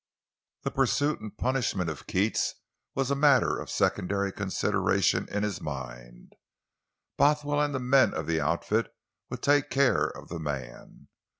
The pursuit and punishment of Keats was a matter of secondary consideration in his mind—Bothwell and the men of the outfit would take care of the man.